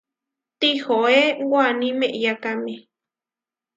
Tihoé waní meʼyákame.